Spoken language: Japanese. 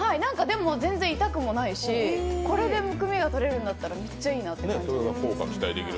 全然痛くもないし、これでむくみがとれるんだったらめっちゃいいなと。